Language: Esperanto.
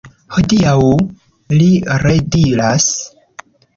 Hodiaŭ!? li rediras.